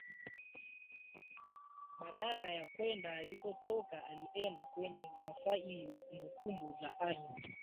Badala ya kwenda alipotoka alienda kwenye mafaili ya kumbukumbu za ardhi